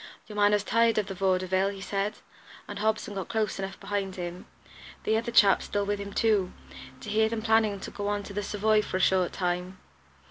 "Your man has tired of the Vaudeville," he said, "and Hobson got close enough behind him the other chap's still with him, too to hear them planning to go on to the Savoy for a short time.